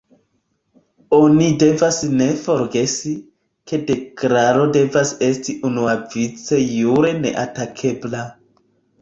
Oni devas ne forgesi, ke deklaro devas esti unuavice jure neatakebla.